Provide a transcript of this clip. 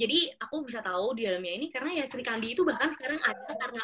jadi aku bisa tahu di dalamnya ini karena ya sri kandi itu bahkan sekarang ada karena